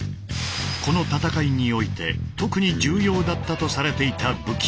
この戦いにおいて特に重要だったとされていた武器。